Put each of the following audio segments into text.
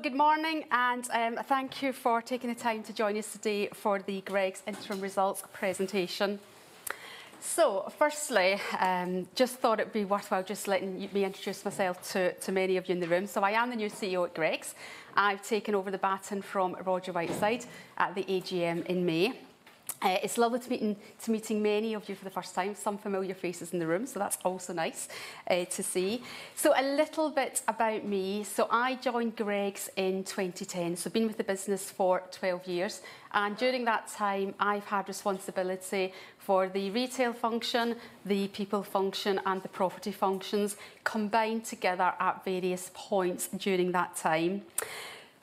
Good morning, and thank you for taking the time to join us today for the Greggs interim results presentation. Firstly, just thought it'd be worthwhile just letting me introduce myself to many of you in the room. I am the new CEO at Greggs. I've taken over the baton from Roger Whiteside at the AGM in May. It's lovely to meet many of you for the first time. Some familiar faces in the room, so that's also nice to see. A little bit about me. I joined Greggs in 2010, so been with the business for 12 years, and during that time I've had responsibility for the retail function, the people function, and the property functions combined together at various points during that time.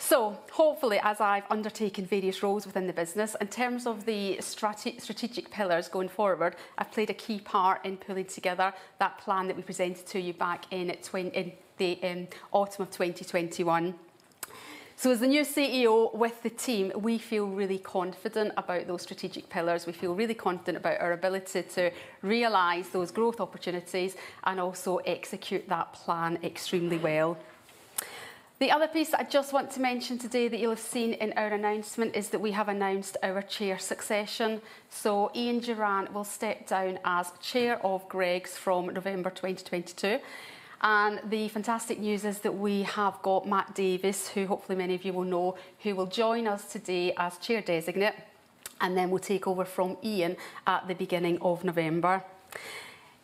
Hopefully, as I've undertaken various roles within the business, in terms of the strategic pillars going forward, I've played a key part in pulling together that plan that we presented to you back in the autumn of 2021. As the new CEO, with the team, we feel really confident about those strategic pillars. We feel really confident about our ability to realize those growth opportunities and also execute that plan extremely well. The other piece that I just want to mention today that you'll have seen in our announcement is that we have announced our chair succession. Ian Durant will step down as Chairman of Greggs from November 2022. The fantastic news is that we have got Matt Davies, who hopefully many of you will know, who will join us today as Chair Designate and then will take over from Ian at the beginning of November.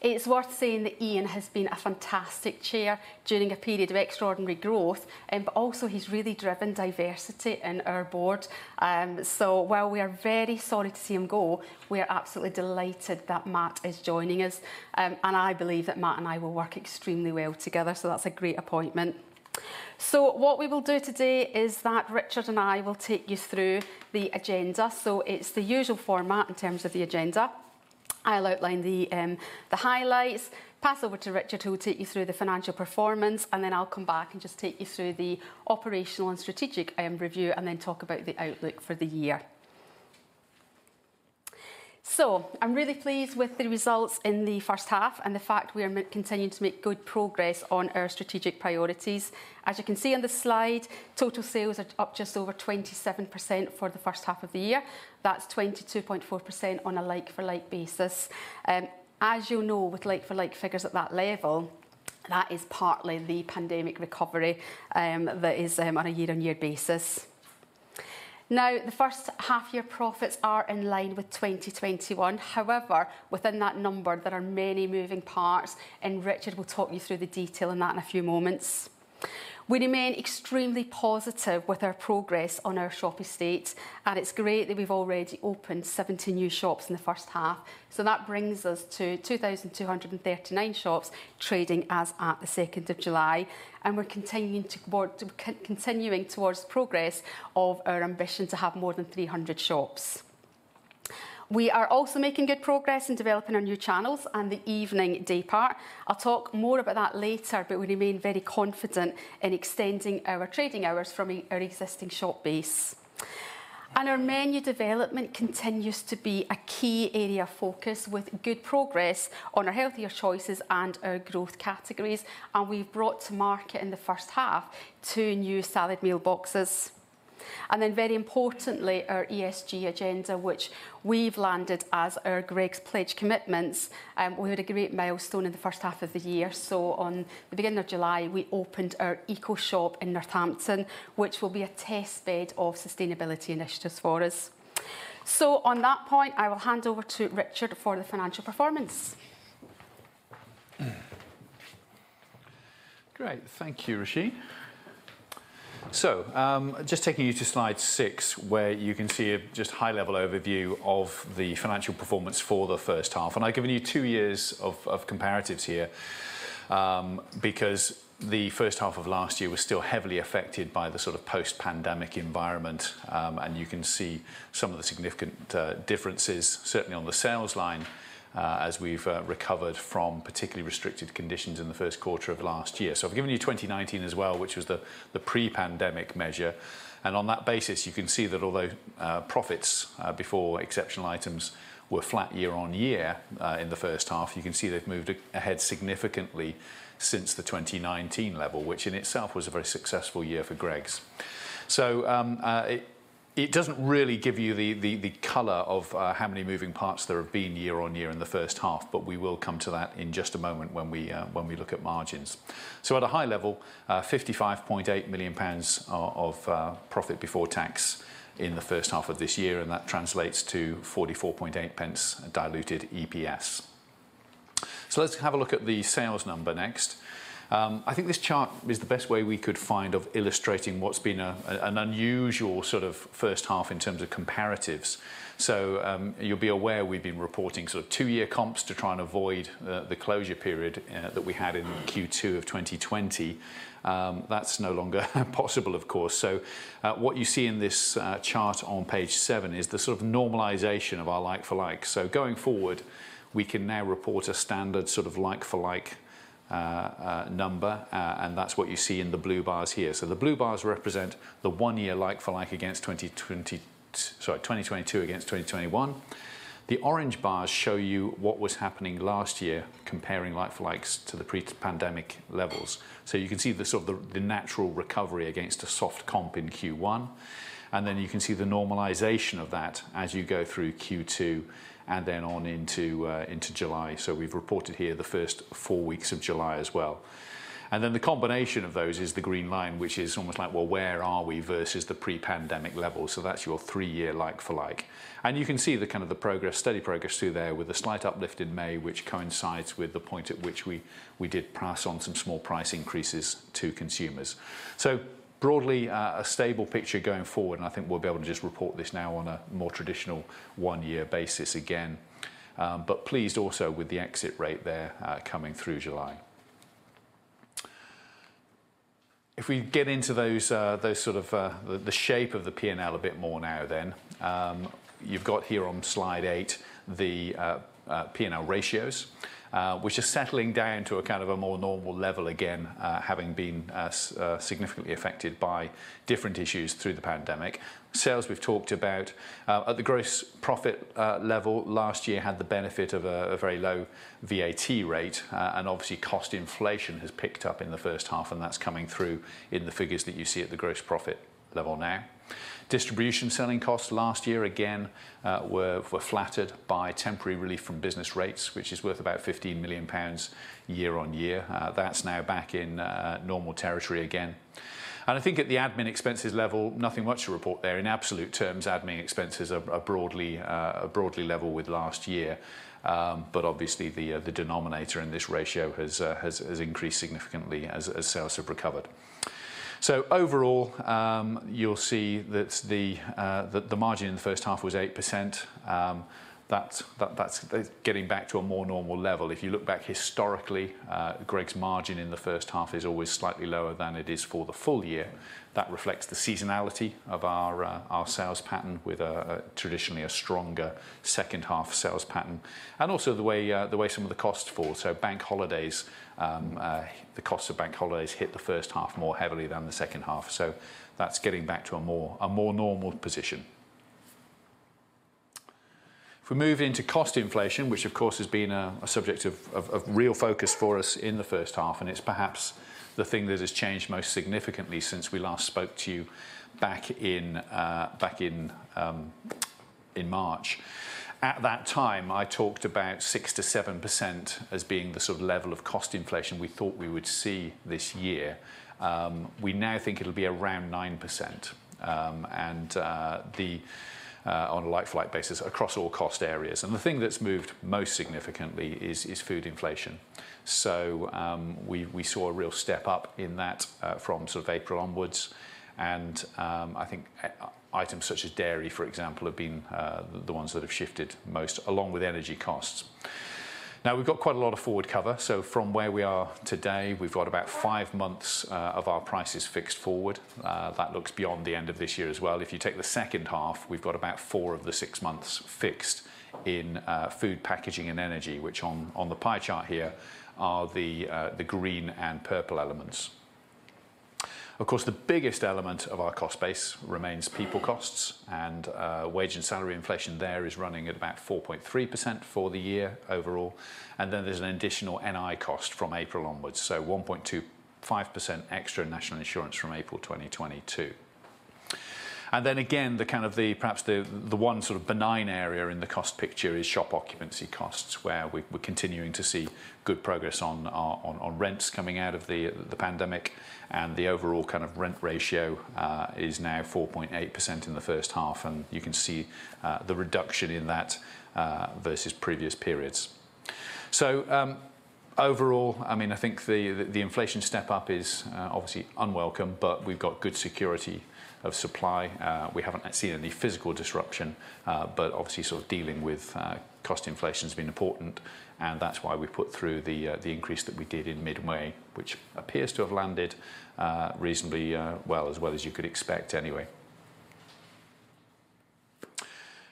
It's worth saying that Ian has been a fantastic Chair during a period of extraordinary growth, but also he's really driven diversity in our board. While we are very sorry to see him go, we're absolutely delighted that Matt is joining us. I believe that Matt and I will work extremely well together, so that's a great appointment. What we will do today is that Richard and I will take you through the agenda. It's the usual format in terms of the agenda. I'll outline the highlights, pass over to Richard who will take you through the financial performance, and then I'll come back and just take you through the operational and strategic review, and then talk about the outlook for the year. I'm really pleased with the results in the first half and the fact we are continuing to make good progress on our strategic priorities. As you can see on the slide, total sales are up just over 27% for the first half of the year. That's 22.4% on a like-for-like basis. As you'll know, with like-for-like figures at that level, that is partly the pandemic recovery, that is, on a year-on-year basis. Now, the first half year profits are in line with 2021. However, within that number, there are many moving parts, and Richard will talk you through the detail on that in a few moments. We remain extremely positive with our progress on our shop estate, and it's great that we've already opened 70 new shops in the first half. That brings us to 2,239 shops trading as at the second of July, and we're continuing towards progress of our ambition to have more than 300 shops. We are also making good progress in developing our new channels and the evening daypart. I'll talk more about that later, but we remain very confident in extending our trading hours from our existing shop base. Our Menu Development continues to be a key area of focus with good progress on our healthier choices and our growth categories, and we've brought to market in the first half two new salad meal boxes. Very importantly, our ESG agenda, which we've landed as our Greggs Pledge commitments, we had a great milestone in the first half of the year. On the beginning of July, we opened our Eco-Shop in Northampton, which will be a testbed of sustainability initiatives for us. On that point, I will hand over to Richard for the financial performance. Great. Thank you, Roisin. Just taking you to slide six, where you can see just a high-level overview of the financial performance for the first half. I've given you two years of comparatives here, because the first half of last year was still heavily affected by the sort of post-pandemic environment, and you can see some of the significant differences, certainly on the sales line, as we've recovered from particularly restricted conditions in the first quarter of last year. I've given you 2019 as well, which was the pre-pandemic measure, and on that basis, you can see that although profits before exceptional items were flat year-on-year in the first half, you can see they've moved ahead significantly since the 2019 level, which in itself was a very successful year for Greggs. It doesn't really give you the color of how many moving parts there have been year-on-year in the first half, but we will come to that in just a moment when we look at margins. At a high level, 55.8 million pounds of profit before tax in the first half of this year, and that translates to 0.448 diluted EPS. Let's have a look at the sales number next. I think this chart is the best way we could find of illustrating what's been an unusual sort of first half in terms of comparatives. You'll be aware we've been reporting sort of two-year comps to try and avoid the closure period that we had in Q2 of 2020. That's no longer possible of course. What you see in this chart on page seven is the sort of normalization of our like-for-like. Going forward, we can now report a standard sort of like-for-like number, and that's what you see in the blue bars here. The blue bars represent the one-year like-for-like against 2022. Sorry, 2022 against 2021. The orange bars show you what was happening last year comparing like-for-likes to the pre-pandemic levels. You can see the sort of natural recovery against a soft comp in Q1, and then you can see the normalization of that as you go through Q2 and then on into July. We've reported here the first 4 weeks of July as well. The combination of those is the green line, which is almost like, well, where are we versus the pre-pandemic level. That's your three-year like-for-like. You can see the kind of the progress, steady progress through there with a slight uplift in May, which coincides with the point at which we did price on some small price increases to consumers. Broadly, a stable picture going forward, and I think we'll be able to just report this now on a more traditional one-year basis again. Pleased also with the exit rate there, coming through July. If we get into those sort of the shape of the P&L a bit more now then, you've got here on slide eight the P&L ratios, which are settling down to a kind of a more normal level again, having been significantly affected by different issues through the pandemic. Sales, we've talked about. At the gross profit level last year had the benefit of a very low VAT rate, and obviously cost inflation has picked up in the first half, and that's coming through in the figures that you see at the gross profit level now. Distribution selling costs last year, again, were flattered by temporary relief from business rates, which is worth about 15 million pounds year-over-year. That's now back in normal territory again. I think at the admin expenses level, nothing much to report there. In absolute terms, admin expenses are broadly level with last year. But obviously the denominator in this ratio has increased significantly as sales have recovered. Overall, you'll see that the margin in the first half was 8%. That's getting back to a more normal level. If you look back historically, Greggs' margin in the first half is always slightly lower than it is for the full year. That reflects the seasonality of our sales pattern with traditionally a stronger second half sales pattern and also the way some of the costs fall. Bank holidays, the cost of bank holidays hit the first half more heavily than the second half. That's getting back to a more normal position. If we move into cost inflation, which of course has been a subject of real focus for us in the first half, and it's perhaps the thing that has changed most significantly since we last spoke to you back in March. At that time, I talked about 6%-7% as being the sort of level of cost inflation we thought we would see this year. We now think it'll be around 9%, and on a like-for-like basis across all cost areas. The thing that's moved most significantly is food inflation. We saw a real step up in that from sort of April onwards and I think items such as dairy, for example, have been the ones that have shifted most along with energy costs. Now, we've got quite a lot of forward cover. From where we are today, we've got about five months of our prices fixed forward. That looks beyond the end of this year as well. If you take the second half, we've got about four of the six months fixed in food, packaging, and energy, which on the pie chart here are the green and purple elements. Of course, the biggest element of our cost base remains people costs and wage and salary inflation there is running at about 4.3% for the year overall. There's an additional NI cost from April onwards, so 1.25% extra National Insurance from April 2022. The kind of perhaps the one sort of benign area in the cost picture is shop occupancy costs, where we're continuing to see good progress on our rents coming out of the pandemic. The overall kind of rent ratio is now 4.8% in the first half, and you can see the reduction in that versus previous periods. Overall, I mean, I think the inflation step up is obviously unwelcome, but we've got good security of supply. We haven't seen any physical disruption, but obviously sort of dealing with cost inflation has been important and that's why we put through the increase that we did in mid-May, which appears to have landed reasonably well, as well as you could expect anyway.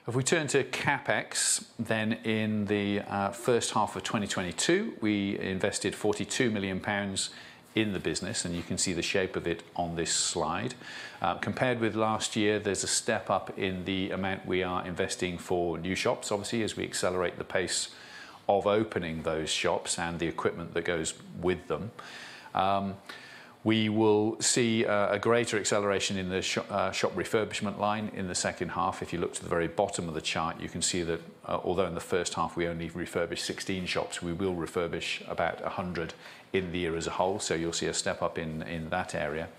If we turn to CapEx, then in the first half of 2022, we invested 42 million pounds in the business, and you can see the shape of it on this slide. Compared with last year, there's a step up in the amount we are investing for new shops, obviously, as we accelerate the pace of opening those shops and the equipment that goes with them. We will see a greater acceleration in the shop refurbishment line in the second half. If you look to the very bottom of the chart, you can see that, although in the first half we only refurbished 16 shops, we will refurbish about 100 in the year as a whole. You'll see a step up in that area.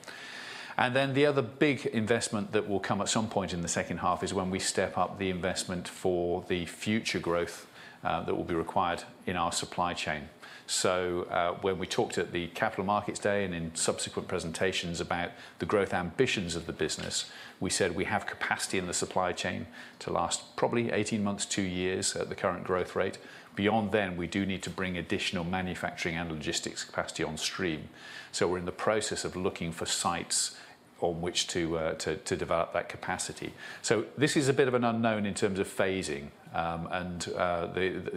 Then the other big investment that will come at some point in the second half is when we step up the investment for the future growth, that will be required in our supply chain. When we talked at the Capital Markets Day and in subsequent presentations about the growth ambitions of the business, we said we have capacity in the supply chain to last probably 18 months, 2 years at the current growth rate. Beyond then, we do need to bring additional manufacturing and logistics capacity on stream. We're in the process of looking for sites on which to develop that capacity. This is a bit of an unknown in terms of phasing,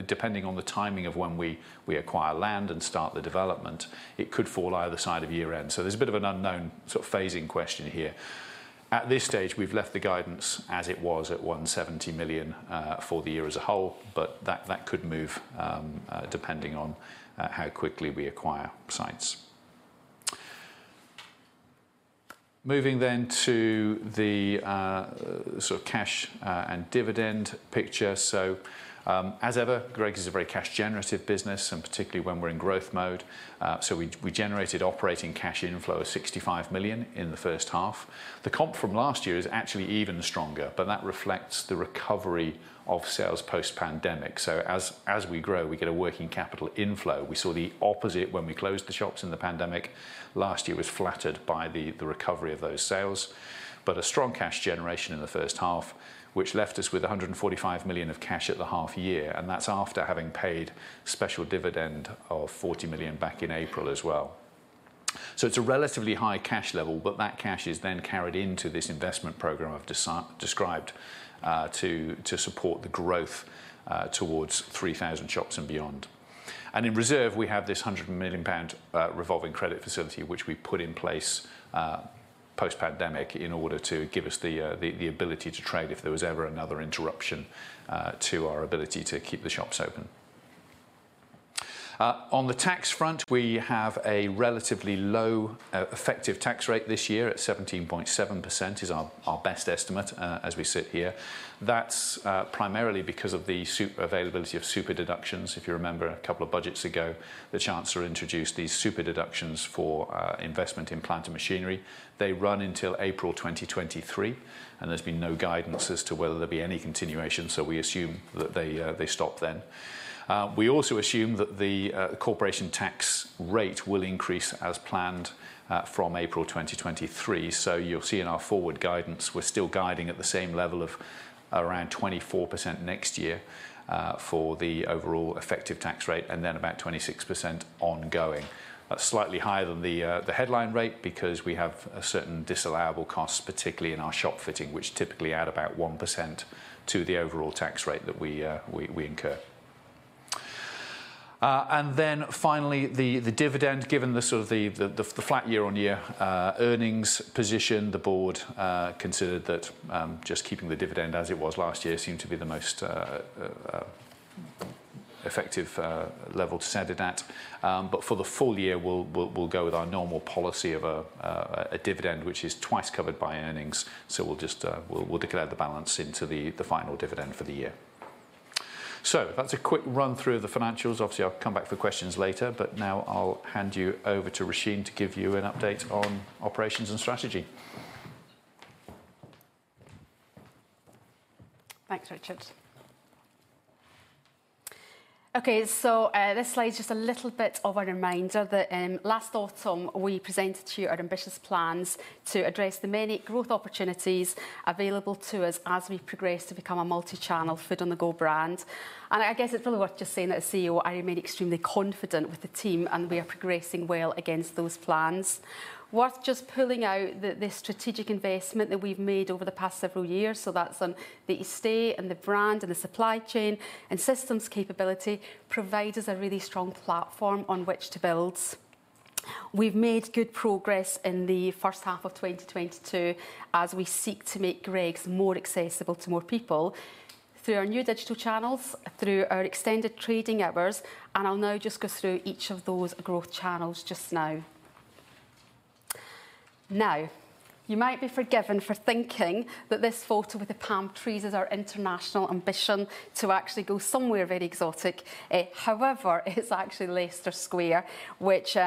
depending on the timing of when we acquire land and start the development, it could fall either side of year-end. There's a bit of an unknown sort of phasing question here. At this stage, we've left the guidance as it was at 170 million for the year as a whole, but that could move, depending on how quickly we acquire sites. Moving to the sort of cash and dividend picture. As ever, Greggs is a very cash generative business, and particularly when we're in growth mode. We generated operating cash inflow of 65 million in the first half. The comp from last year is actually even stronger, but that reflects the recovery of sales post-pandemic. As we grow, we get a working capital inflow. We saw the opposite when we closed the shops in the pandemic. Last year was flattered by the recovery of those sales. A strong cash generation in the first half, which left us with 145 million of cash at the half year, and that's after having paid special dividend of 40 million back in April as well. It's a relatively high cash level, but that cash is then carried into this investment program I've described to support the growth towards 3,000 shops and beyond. In reserve, we have this 100 million pound revolving credit facility, which we put in place post-pandemic in order to give us the ability to trade if there was ever another interruption to our ability to keep the shops open. On the tax front, we have a relatively low effective tax rate this year at 17.7% is our best estimate as we sit here. That's primarily because of the availability of super-deductions. If you remember a couple of budgets ago, the Chancellor introduced these super-deductions for investment in plant and machinery. They run until April 2023, and there's been no guidance as to whether there'll be any continuation, so we assume that they stop then. We also assume that the corporation tax rate will increase as planned from April 2023. You'll see in our forward guidance, we're still guiding at the same level of around 24% next year for the overall effective tax rate, and then about 26% ongoing. That's slightly higher than the headline rate because we have a certain disallowable cost, particularly in our shop fitting, which typically adds about 1% to the overall tax rate that we incur. Finally, the dividend, given the sort of the flat year-on-year earnings position, the board considered that just keeping the dividend as it was last year seemed to be the most effective level to set it at. For the full year, we'll go with our normal policy of a dividend which is twice covered by earnings. We'll just declare the balance into the final dividend for the year. That's a quick run through of the financials. Obviously, I'll come back for questions later, but now I'll hand you over to Roisin to give you an update on operations and strategy. Thanks, Richard. Okay, so this slide is just a little bit of a reminder that last autumn, we presented to you our ambitious plans to address the many growth opportunities available to us as we progress to become a multi-channel food-on-the-go brand. I guess it's really worth just saying that as CEO, I remain extremely confident with the team, and we are progressing well against those plans. Worth just pulling out the strategic investment that we've made over the past several years, so that's on the estate and the brand and the supply chain and systems capability, provides us a really strong platform on which to build. We've made good progress in the first half of 2022 as we seek to make Greggs more accessible to more people through our new digital channels, through our extended trading hours, and I'll now just go through each of those growth channels just now. Now, you might be forgiven for thinking that this photo with the palm trees is our international ambition to actually go somewhere very exotic. However, it's actually Leicester Square, which,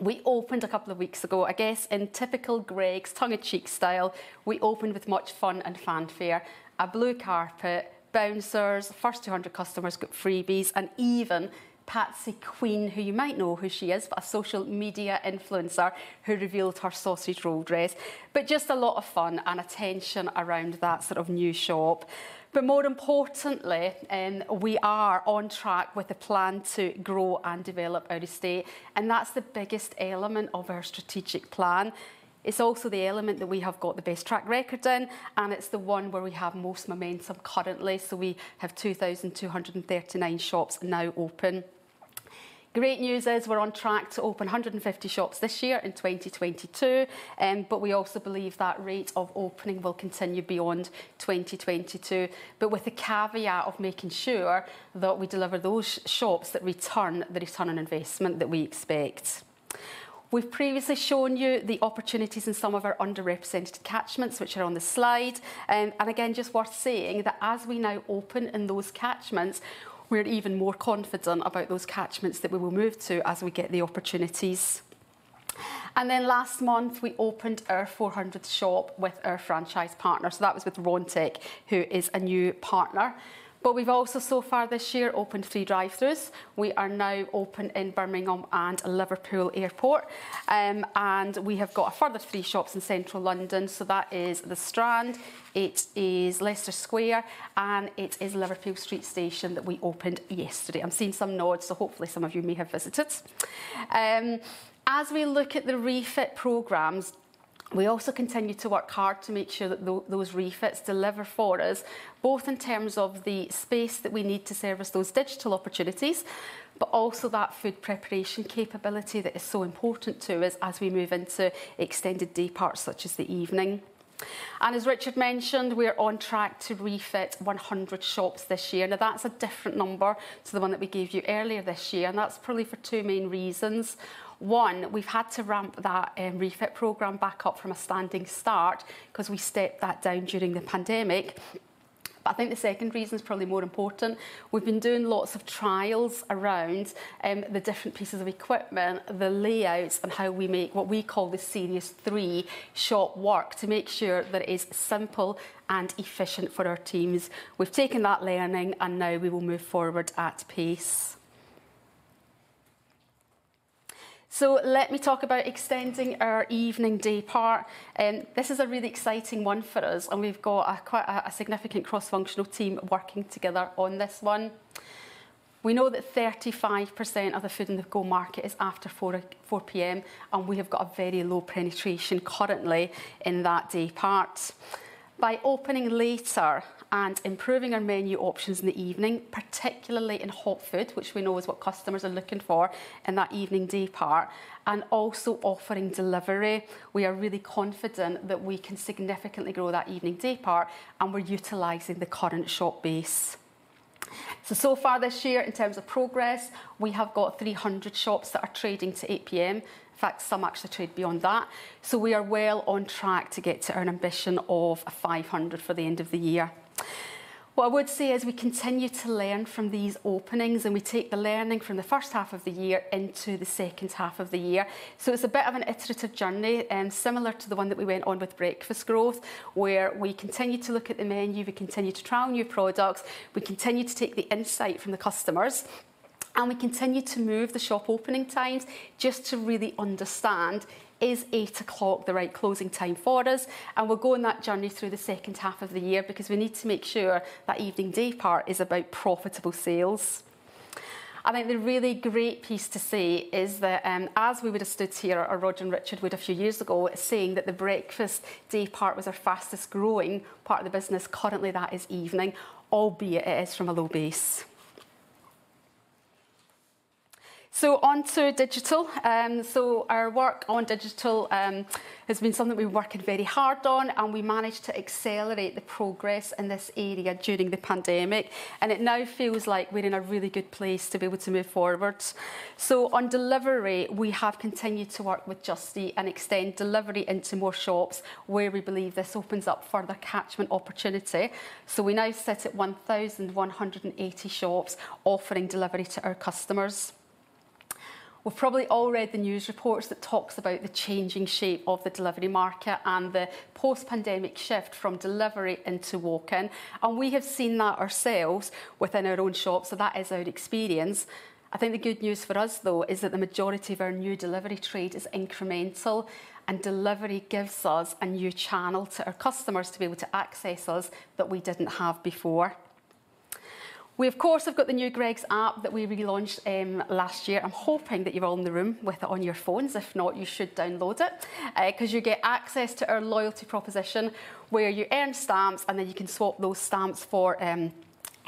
we opened a couple of weeks ago. I guess in typical Greggs tongue-in-cheek style, we opened with much fun and fanfare, a blue carpet, bouncers, first 200 customers got freebies, and even Pasty Kween, who you might know who she is, but a social media influencer who revealed her sausage roll dress. Just a lot of fun and attention around that sort of new shop. More importantly, we are on track with a plan to grow and develop our estate, and that's the biggest element of our strategic plan. It's also the element that we have got the best track record in, and it's the one where we have most momentum currently. We have 2,239 shops now open. Great news is we're on track to open 150 shops this year in 2022, but we also believe that rate of opening will continue beyond 2022. With the caveat of making sure that we deliver those shops that return the return on investment that we expect. We've previously shown you the opportunities in some of our underrepresented catchments, which are on the slide. Again, just worth saying that as we now open in those catchments, we're even more confident about those catchments that we will move to as we get the opportunities. Last month, we opened our 400th shop with our franchise partner. That was with Rontec, who is a new partner. We've also, so far this year, opened 3 drive-throughs. We are now open in Birmingham and Liverpool Airport. We have got a further 3 shops in Central London, so that is The Strand, it is Leicester Square, and it is Liverpool Street Station that we opened yesterday. I'm seeing some nods, so hopefully some of you may have visited. As we look at the refit programs, we also continue to work hard to make sure that those refits deliver for us, both in terms of the space that we need to service those digital opportunities, but also that food preparation capability that is so important to us as we move into extended day parts, such as the evening. As Richard mentioned, we're on track to refit 100 shops this year. Now, that's a different number to the one that we gave you earlier this year, and that's probably for two main reasons. One, we've had to ramp that refit program back up from a standing start 'cause we stepped that down during the pandemic. I think the second reason is probably more important. We've been doing lots of trials around the different pieces of equipment, the layouts, and how we make what we call the Series 3 shop work to make sure that it is simple and efficient for our teams. We've taken that learning, and now we will move forward at pace. Let me talk about extending our evening day part. This is a really exciting one for us, and we've got a quite a significant cross-functional team working together on this one. We know that 35% of the food on the go market is after 4:00 P.M., and we have got a very low penetration currently in that day part. By opening later and improving our menu options in the evening, particularly in hot food, which we know is what customers are looking for in that evening day part, and also offering delivery, we are really confident that we can significantly grow that evening day part, and we're utilizing the current shop base. So far this year, in terms of progress, we have got 300 shops that are trading to 8:00 P.M. In fact, some actually trade beyond that. We are well on track to get to our ambition of 500 shops for the end of the year. What I would say is we continue to learn from these openings, and we take the learning from the first half of the year into the second half of the year. It's a bit of an iterative journey, similar to the one that we went on with breakfast growth, where we continue to look at the menu, we continue to trial new products, we continue to take the insight from the customers, and we continue to move the shop opening times just to really understand, is eight o'clock the right closing time for us? We'll go on that journey through the second half of the year because we need to make sure that evening day part is about profitable sales. I think the really great piece to say is that, as we would have stood here, or Rod and Richard would a few years ago, saying that the breakfast day part was our fastest growing part of the business, currently that is evening, albeit it is from a low base. On to Digital. Our work on Digital has been something we've been working very hard on, and we managed to accelerate the progress in this area during the pandemic, and it now feels like we're in a really good place to be able to move forward. On delivery, we have continued to work with Just Eat and extend delivery into more shops where we believe this opens up further catchment opportunity. We now sit at 1,180 shops offering delivery to our customers. We've probably all read the news reports that talks about the changing shape of the delivery market and the post-pandemic shift from delivery into walk-in, and we have seen that ourselves within our own shops, so that is our experience. I think the good news for us though is that the majority of our new delivery trade is incremental, and delivery gives us a new channel to our customers to be able to access us that we didn't have before. We of course have got the new Greggs app that we relaunched last year. I'm hoping that you're all in the room with it on your phones. If not, you should download it, 'cause you get access to our loyalty proposition where you earn stamps, and then you can swap those stamps for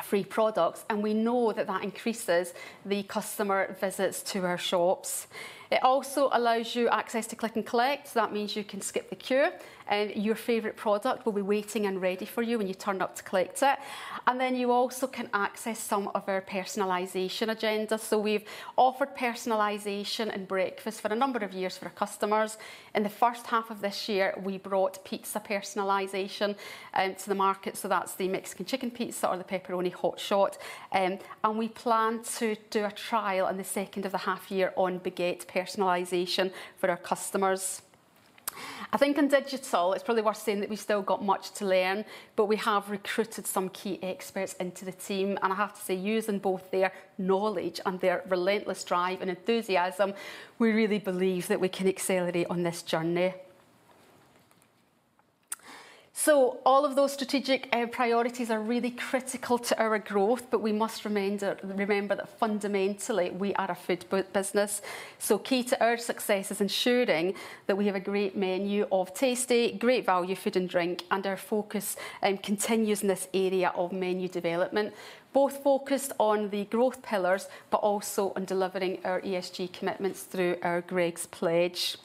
free products. We know that that increases the customer visits to our shops. It also allows you access to click and collect. That means you can skip the queue, and your favorite product will be waiting and ready for you when you turn up to collect it. You also can access some of our personalization agenda. We've offered personalization in breakfast for a number of years for our customers. In the first half of this year, we brought pizza personalization to the market, so that's the Mexican Chicken Pizza or the Pepperoni Hot Shot. We plan to do a trial in the second half of the year on baguette personalization for our customers. I think in digital, it's probably worth saying that we've still got much to learn, but we have recruited some key experts into the team. I have to say, using both their knowledge and their relentless drive and enthusiasm, we really believe that we can accelerate on this journey. All of those strategic priorities are really critical to our growth, but we must remember that fundamentally, we are a food business. Key to our success is ensuring that we have a great menu of tasty, great value food and drink, and our focus continues in this area of menu development, both focused on the growth pillars, but also on delivering our ESG commitments through our Greggs Pledge.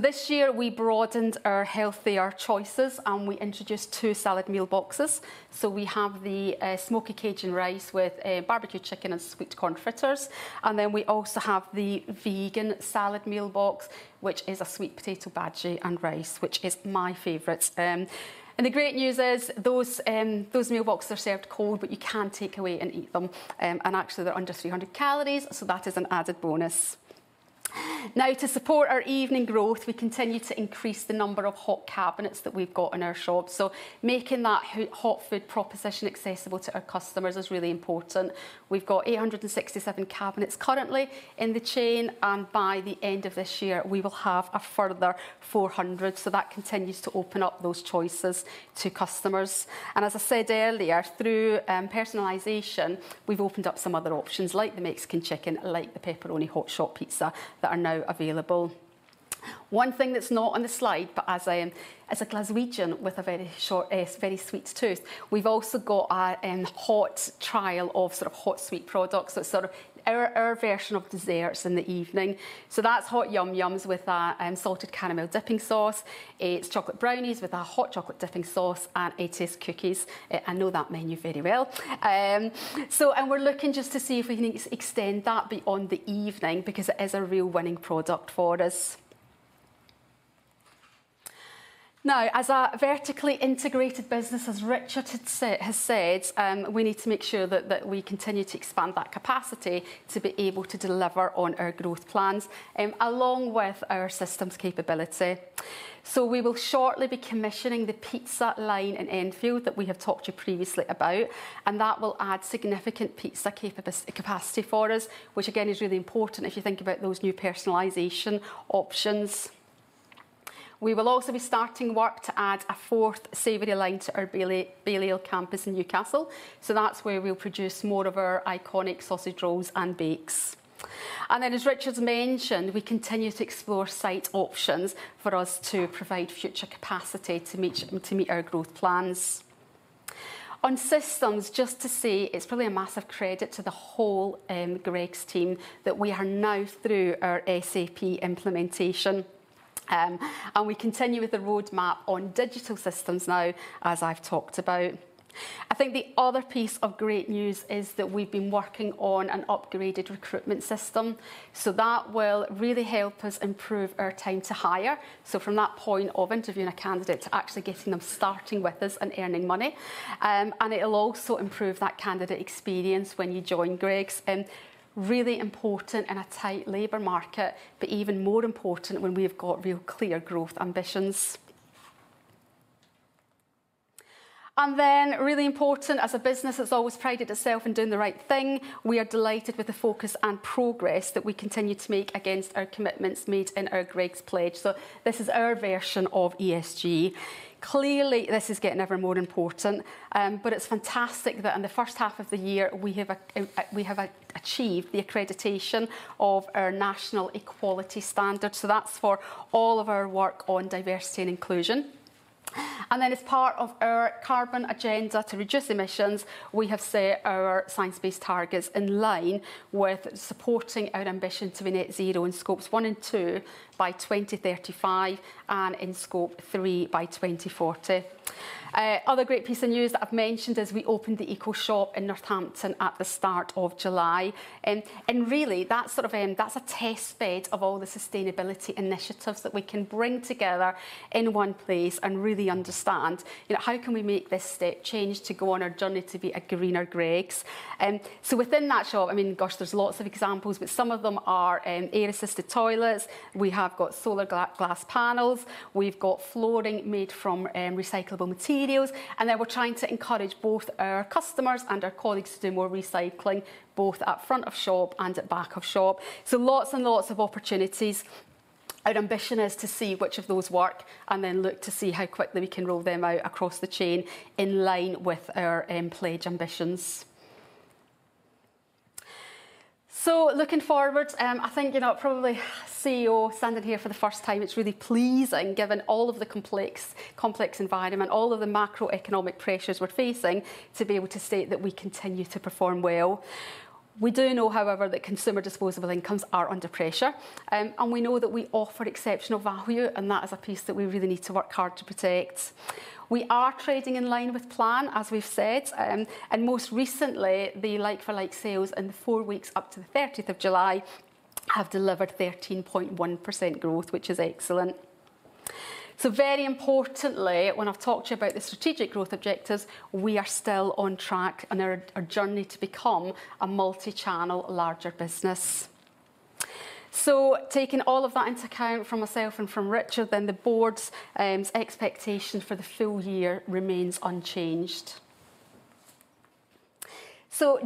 This year, we broadened our healthier choices, and we introduced two salad meal boxes. We have the Smoky Cajun Rice with a Barbecue Chicken and Sweet Corn Fritters. We also have the Vegan salad meal box, which is a Sweet Potato Bhaji and Rice, which is my favorite. The great news is those meal boxes are served cold, but you can take away and eat them. Actually, they're under 300 calories, so that is an added bonus. Now to support our evening growth, we continue to increase the number of hot cabinets that we've got in our shops. Making that hot food proposition accessible to our customers is really important. We've got 867 cabinets currently in the chain, and by the end of this year we will have a further 400. That continues to open up those choices to customers. As I said earlier, through personalization, we've opened up some other options like the Mexican Chicken Pizza, like the Pepperoni Hot Shot pizza, that are now available. One thing that's not on the slide, but as a Glaswegian with a very sweet tooth, we've also got a hot trial of sort of hot sweet products. Sort of our version of desserts in the evening. That's Hot Yum Yums with our salted caramel dipping sauce. It's chocolate brownies with a hot chocolate dipping sauce and it's cookies. I know that menu very well. We're looking just to see if we can extend that beyond the evening because it is a real winning product for us. Now, as a vertically integrated business, as Richard has said, we need to make sure that we continue to expand that capacity to be able to deliver on our growth plans, along with our systems capability. We will shortly be commissioning the pizza line in Enfield that we have talked to you previously about, and that will add significant pizza capacity for us, which again, is really important if you think about those new personalization options. We will also be starting work to add a fourth savory line to our Balliol campus in Newcastle. That's where we'll produce more of our iconic sausage rolls and bakes. As Richard mentioned, we continue to explore site options for us to provide future capacity to meet our growth plans. On systems, just to say it's probably a massive credit to the whole Greggs team that we are now through our SAP implementation. We continue with the roadmap on digital systems now as I've talked about. I think the other piece of great news is that we've been working on an upgraded recruitment system. That will really help us improve our time to hire. From that point of interviewing a candidate to actually getting them starting with us and earning money. It'll also improve that candidate experience when you join Greggs. Really important in a tight labor market, but even more important when we've got real clear growth ambitions. Really important as a business that's always prided itself in doing the right thing, we are delighted with the focus and progress that we continue to make against our commitments made in our Greggs Pledge. This is our version of ESG. Clearly this is getting ever more important. It's fantastic that in the first half of the year we have achieved the accreditation of our National Equality Standard. That's for all of our work on diversity and inclusion. As part of our carbon agenda to reduce emissions, we have set our Science Based Targets in line with supporting our ambition to be net zero in Scope 1 and 2 by 2035, and in Scope 3 by 2040. Other great piece of news that I've mentioned is we opened the Eco-Shop in Northampton at the start of July. Really that's sort of, that's a test bed of all the sustainability initiatives that we can bring together in one place and really understand, you know, how can we make this step change to go on our journey to be a greener Greggs. Within that shop, I mean gosh, there's lots of examples, but some of them are, air-assisted toilets. We have got solar glass panels. We've got flooring made from recyclable materials, and then we're trying to encourage both our customers and our colleagues to do more recycling, both at front of shop and at back of shop. Lots and lots of opportunities. Our ambition is to see which of those work and then look to see how quickly we can roll them out across the chain in line with our Pledge ambitions. Looking forward, I think, you know, probably CEO standing here for the first time, it's really pleasing given all of the complex environment, all of the macroeconomic pressures we're facing to be able to state that we continue to perform well. We do know, however, that consumer disposable incomes are under pressure. We know that we offer exceptional value, and that is a piece that we really need to work hard to protect. We are trading in line with plan, as we've said. Most recently, the like-for-like sales in the four weeks up to the thirtieth of July have delivered 13.1% growth, which is excellent. Very importantly, when I've talked to you about the strategic growth objectives, we are still on track in our journey to become a multi-channel larger business. Taking all of that into account from myself and from Richard, then the board's expectation for the full year remains unchanged.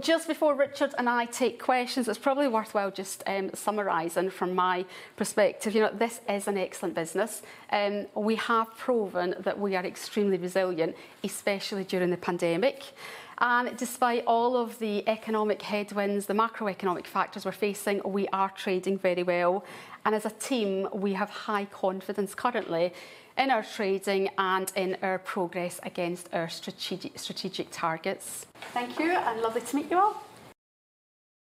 Just before Richard and I take questions, it's probably worthwhile just summarizing from my perspective. You know, this is an excellent business. We have proven that we are extremely resilient, especially during the pandemic. Despite all of the economic headwinds, the macroeconomic factors we're facing, we are trading very well. As a team, we have high confidence currently in our trading and in our progress against our strategic targets. Thank you and lovely to meet you all.